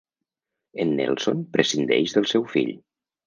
En Nelson prescindeix del seu fill.